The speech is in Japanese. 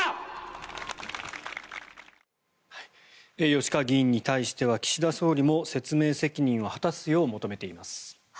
吉川議員に対しては岸田総理も説明責任を果たすよう求めています。